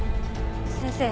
先生